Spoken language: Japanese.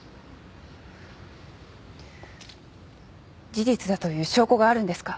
事実だという証拠があるんですか？